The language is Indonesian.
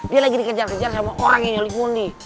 dia lagi dikejar kejar sama orang yang nyulik mondi